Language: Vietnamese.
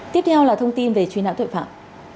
tiếp theo là thông tin về truy nã tội phạm